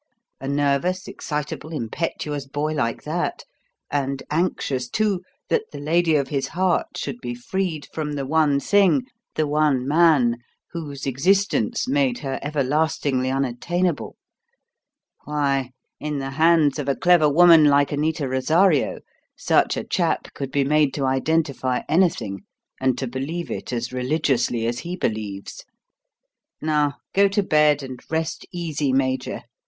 A nervous, excitable, impetuous boy like that and anxious, too, that the lady of his heart should be freed from the one thing, the one man, whose existence made her everlastingly unattainable why, in the hands of a clever woman like Anita Rosario such a chap could be made to identify anything and to believe it as religiously as he believes. Now, go to bed and rest easy, Major.